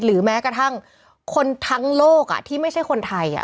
แม้กระทั่งคนทั้งโลกที่ไม่ใช่คนไทย